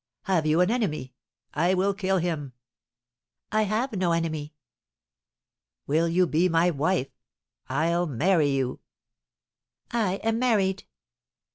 "Have you an enemy? I will kill him." "I have no enemy." "Will you be my wife? I'll marry you." "I am married."